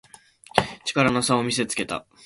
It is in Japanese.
力の差を見せつけた